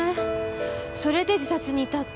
それで自殺に至った？